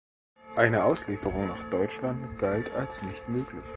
Eine Auslieferung nach Deutschland galt als nicht möglich.